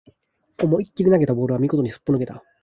思いっきり投げたボールは見事にすっぽ抜けた